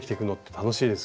楽しいです。